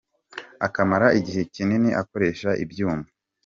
akamara igihe kinini akoresha ibyuma